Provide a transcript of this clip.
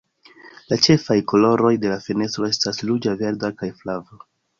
La ĉefaj koloroj de la fenestro estas ruĝa, verda kaj flava.